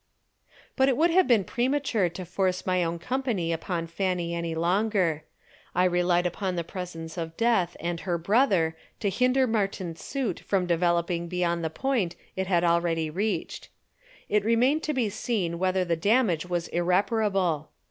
But it would have been premature to force my own company upon Fanny any longer. I relied upon the presence of death and her brother to hinder Martin's suit from developing beyond the point it had already reached. It remained to be seen whether the damage was irreparable.